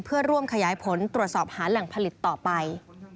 เพื่อร่วมขยายผลตรวจสอบหาแหล่งผลิตต่อไป